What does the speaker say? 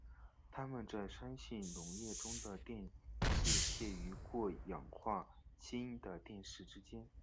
它们在酸性溶液中的电势介于过氧化氢的电势之间。